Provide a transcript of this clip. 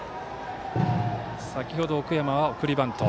先ほど奥山は送りバント。